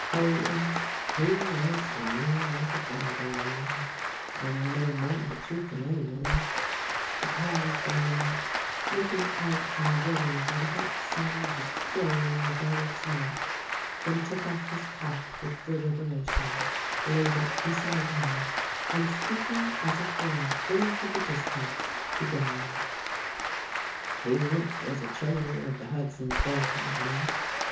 Holy, he was to me like a father then ! I know more of the truth than any one." He paused a moment, looking out on the river where the hot sun was playing with all its might, then took off his cap with deliberation, laid it beside him, and speaking as it were into the distance, began :" He once was a trader of the Hudson's Bay Com pany.